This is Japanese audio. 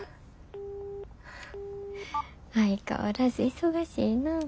相変わらず忙しいなぁ。